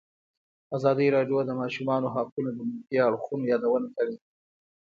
ازادي راډیو د د ماشومانو حقونه د منفي اړخونو یادونه کړې.